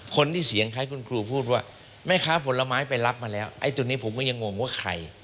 คนที่เสียงคล้ายคุณครูพูดว่าแม่ค้าผลไม้ไปรับมาแล้วไอ้ตัวนี้ผมก็ยังงงว่าใคร